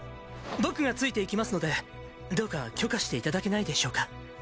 僕がついていきますのでどうか許可していただけないでしょうか？